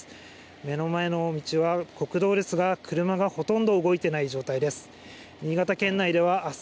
目の前の道は国道ですが、車がほとんど動いていない状態です。